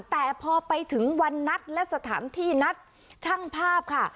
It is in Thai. แต่พอไปถึงวันนัดและสถานที่นัดช่างภาพค่ะ